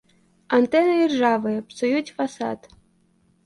Антэны іржавыя, псуюць фасад.